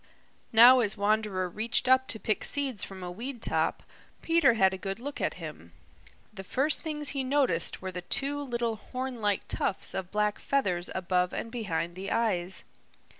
Now as Wanderer reached up to pick seeds from a weed top, Peter had a good look at him. The first things he noticed were the two little horn like tufts of black feathers above and behind the eyes.